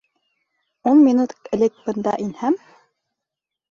Ун минут элек бында инһәм...